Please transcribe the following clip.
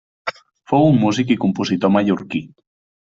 Fou un músic i compositor mallorquí.